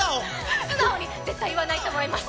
絶対言わないと思います。